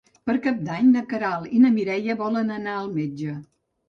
Per Cap d'Any na Queralt i na Mireia volen anar al metge.